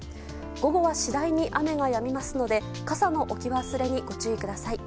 午後は次第に雨がやみますので傘の置き忘れにご注意ください。